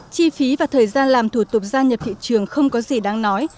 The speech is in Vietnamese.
chi phí và thời gian làm thủ tục gia nhập thị trường không có gì đáng nói